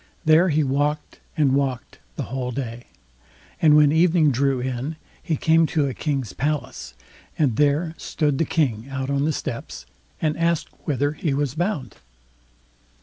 There he walked and walked the whole day, and when evening drew in, he came to a king's palace, and there stood the King out on the steps, and asked whither he was bound.